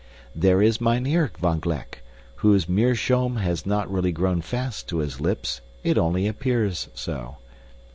There is Mynheer van Gleck, whose meerschaum has not really grown fast to his lips it only appears so.